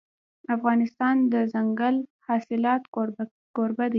افغانستان د دځنګل حاصلات کوربه دی.